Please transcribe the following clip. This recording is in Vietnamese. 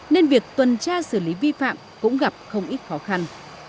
nên việc tuần tra xử lý vi phạm cũng gặp không ít khó khăn